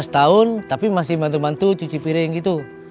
lima belas tahun tapi masih bantu bantu cuci piring gitu